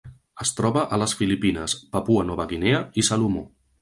Es troba a les Filipines, Papua Nova Guinea i Salomó.